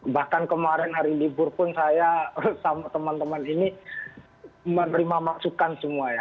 bahkan kemarin hari libur pun saya sama teman teman ini menerima masukan semua ya